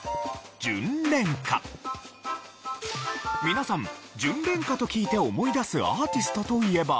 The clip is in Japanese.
皆さん「じゅんれんか」と聞いて思い出すアーティストといえば。